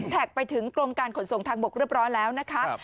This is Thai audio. ไปถึงกรมการขนส่งทางบกเรียบร้อยแล้วนะคะ